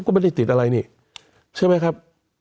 ก็ไม่ได้ติดอะไรนี่ใช่ไหมครับ